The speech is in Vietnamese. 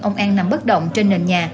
ông an nằm bất động trên nền nhà